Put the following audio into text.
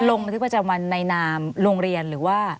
ลงบันทึกประจำวันในนามโรงเรียนหรือว่า